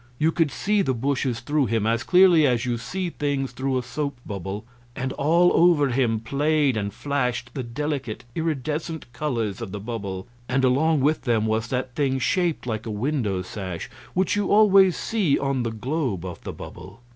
You could see the bushes through him as clearly as you see things through a soap bubble, and all over him played and flashed the delicate iridescent colors of the bubble, and along with them was that thing shaped like a window sash which you always see on the globe of the bubble.